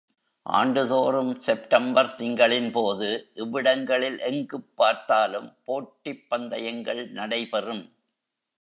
ஆண்டுதோறும் செப்டம்பர் திங்களின்போது இவ்விடங்களில் எங்குப் பார்த்தாலும் போட்டிப் பந்தயங்கள் நடைபெறும்.